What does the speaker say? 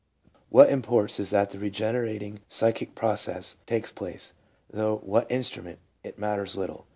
What imports is that the regener ating psychic process takes place ; through what instrument, it matters little.